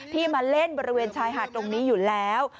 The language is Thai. มาเล่นบริเวณชายหาดตรงนี้อยู่แล้ว